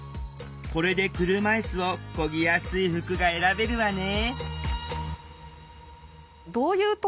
これで車いすをこぎやすい服が選べるわね